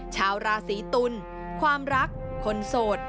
ชาวราศีตุลความรักคนโสด